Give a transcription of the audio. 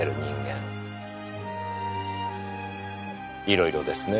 いろいろですね。